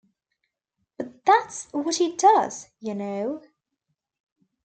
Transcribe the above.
But that's what he does, y'know?